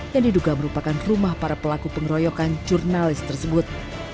yang diduga merupakan rumah para pelaku pengeroyokan jurnalis tersebut